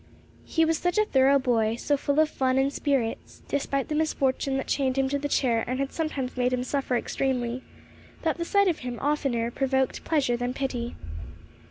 He was such a thorough boy, so full of fun and spirits, despite the misfortune that chained him to the chair and had sometimes made him suffer extremely, that the sight of him oftener provoked pleasure than pity.